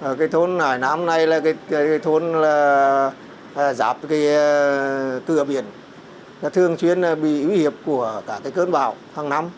ở cái thôn hải nam này là cái thôn là giáp cái cửa biển thường chuyên bị ưu hiệp của cả cái cơn bão hàng năm